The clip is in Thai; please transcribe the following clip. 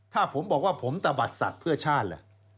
ถ้าผมบอกว่าผมตะบัดสัตว์เพื่อชาติล่ะ